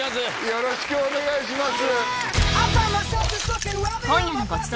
よろしくお願いします